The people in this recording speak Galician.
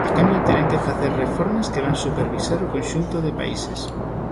A cambio terán que facer reformas que van supervisar o conxunto de países.